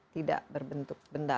tidak berbentuk benda